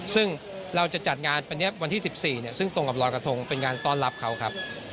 ซึ่งเราจะจัดงานวันนี้วันที่๑๔ซึ่งตรงกับรอยกระทงเป็นงานต้อนรับเขาครับ